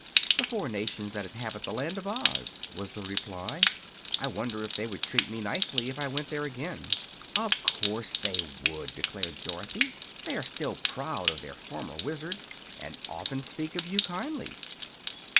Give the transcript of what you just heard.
"The four nations that inhabit the Land of Oz," was the reply. "I wonder if they would treat me nicely if I went there again." "Of course they would!" declared Dorothy. "They are still proud of their former Wizard, and often speak of you kindly."